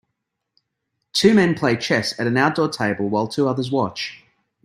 Two men play chess at an outdoor table while two others watch.